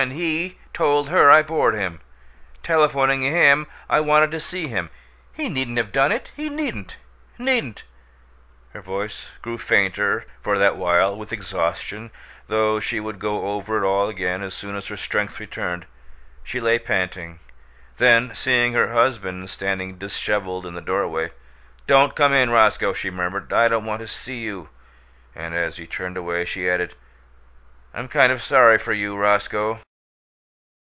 And HE told her I bored him telephoning him I wanted to see him. He needn't have done it! He needn't needn't " Her voice grew fainter, for that while, with exhaustion, though she would go over it all again as soon as her strength returned. She lay panting. Then, seeing her husband standing disheveled in the doorway, "Don't come in, Roscoe," she murmured. "I don't want to see you." And as he turned away she added, "I'm kind of sorry for you, Roscoe."